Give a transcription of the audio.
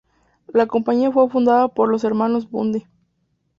La compañía fue fundada por los hermanos Bundy.